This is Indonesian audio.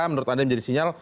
menurut anda ini jadi sinyal